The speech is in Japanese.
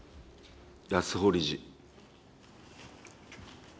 安保理事。